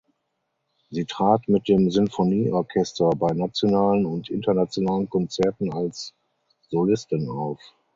Sie trat mit dem Sinfonieorchester bei nationalen und internationalen Konzerten als Solistin auf.